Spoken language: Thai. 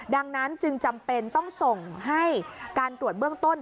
ดังนั้นจึงจำเป็นต้องส่งให้การตรวจเบื้องต้น